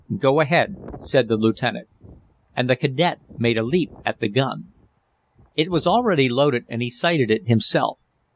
"Go ahead," said the lieutenant. And the cadet made a leap at the gun. It was already loaded, and he sighted it himself.